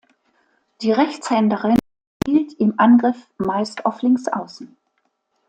Die Rechtshänderin spielt im Angriff meist auf Linksaußen.